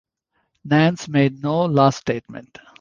Nance made no last statement.